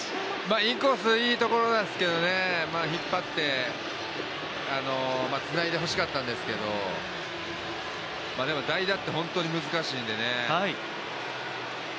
インコースいいところなんですけどね、引っ張ってつないでほしかったんですけど代打って本当に難しいんでね。